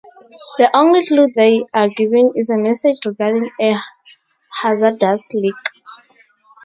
The only clue they are given is a message regarding a hazardous leak.